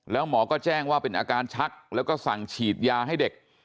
แล้วหมอก็แจ้งว่าเป็นอาการชักแล้วก็สั่งฉีดยาให้เด็ก